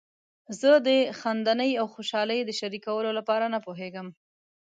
زه د خندنۍ او خوشحالۍ د شریکولو لپاره نه پوهیږم.